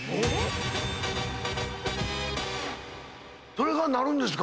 それがなるんですか？